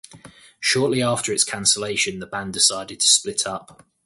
Shortly after its cancellation, the band decided to split up.